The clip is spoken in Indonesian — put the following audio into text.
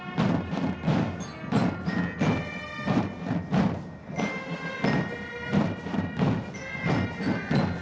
penata rama iv sersan mayor satu taruna wida nur atika